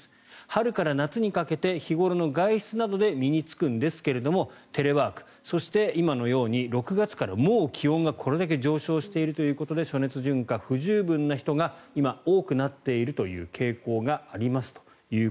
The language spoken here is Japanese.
春から夏にかけて日頃の外出などで身に着くんですがテレワーク、そして今のように６月からもう気温がこれぐらい上昇しているということで暑熱順化が不十分な人が今、多くなっているという傾向がありますと。